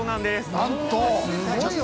◆なんと。